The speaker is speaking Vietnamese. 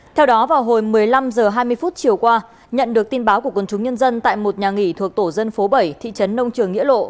theo đó vào hồi một mươi năm h hai mươi chiều qua nhận được tin báo của quân chúng nhân dân tại một nhà nghỉ thuộc tổ dân phố bảy thị trấn nông trường nghĩa lộ